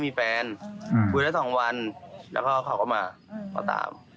ไม่เคยรู้จักกันมาก่อน